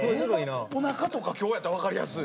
おなかとか今日やったら分かりやすい。